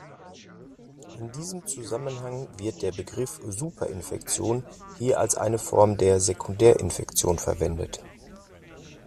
In diesem Zusammenhang wird der Begriff Superinfektion hier als eine Form der Sekundärinfektion verwendet.